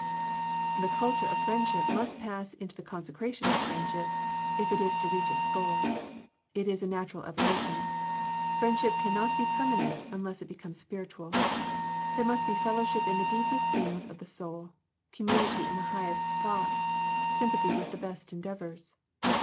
'* The Culture of friendship must pass into the Consecration of friendship, if it is to reach its goal. It is a natural evo lution. Friendship cannot be permanent unless it becomes spiritual. There must be fellowship in the deepest things of the soul, community in the highest thoughts, sympathy with the best endeavors.